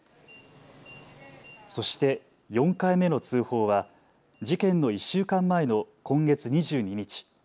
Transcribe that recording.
そして４回目の通報は事件の１週間前の今月２２日。